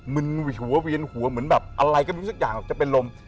ึนหัวเวียนหัวเหมือนแบบอะไรก็ไม่รู้สักอย่างจะเป็นลม